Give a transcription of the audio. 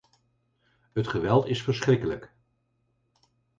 Het geweld is verschrikkelijk.